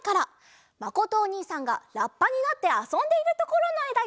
まことおにいさんがラッパになってあそんでいるところのえだよ。